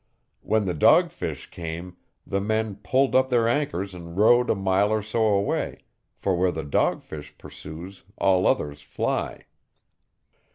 When the dogfish came the men pulled up their anchors and rowed a mile or so away, for where the dogfish pursues all others fly.